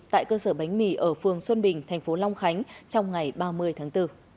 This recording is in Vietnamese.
tại cơ sở bánh mì ở phường xuân bình thành phố long khánh trong ngày ba mươi tháng bốn